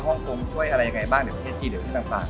ห้องคงช่วยอะไรยังไงบ้างในประเทศจีนหรือที่ต่าง